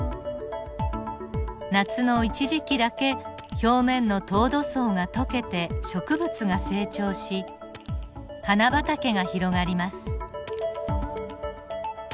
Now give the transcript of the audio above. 夏の一時期だけ表面の凍土層が解けて植物が成長し花畑が広がります。